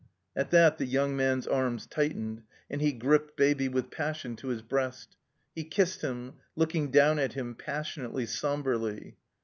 At that the young man's arms tightened, and he gripped Baby with passion to his breast. He kissed him, looking down at him, passionately, somberly.